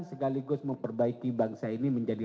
sekaligus memperbaiki bangsa ini menjadi